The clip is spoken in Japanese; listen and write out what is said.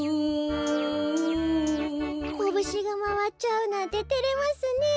コブシがまわっちゃうなんててれますねえ。